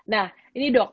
nah ini dok